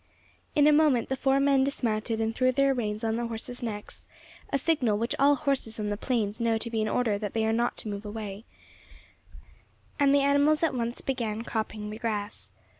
In a moment the four men dismounted and threw their reins on the horses' necks a signal which all horses on the plains know to be an order that they are not to move away and the animals at once began cropping the grass.